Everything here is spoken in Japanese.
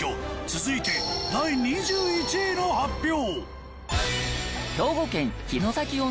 続いて第２１位の発表。